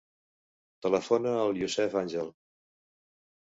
Telefona al Yousef Angel.